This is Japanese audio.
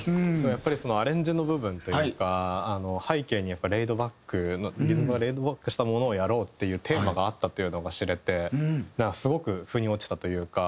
やっぱりそのアレンジの部分というか背景にやっぱりレイドバックのリズムがレイドバックしたものをやろうっていうテーマがあったっていうのが知れてなんかすごく腑に落ちたというか。